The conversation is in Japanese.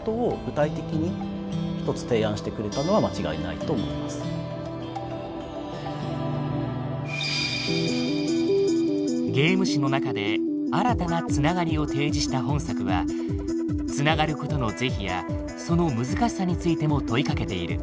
やっぱそういったこと考えるとゲーム史の中で新たな繋がりを提示した本作は繋がることの是非やその難しさについても問いかけている。